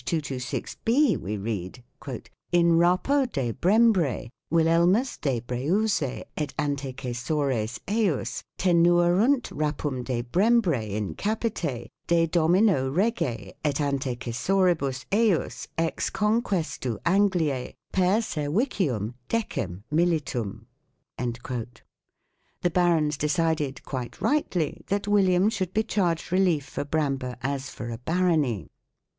226^ we read : In rapo de Brembre Willelmus de Breuse et antecessores ejus tenuerunt rapum de Brembre in capite de domino Rege et ante cessoribus ejus ex conquestu Anglic per servicium x militum. The barons decided, quite rightly, that William should be charged relief for Bramber as for a barony.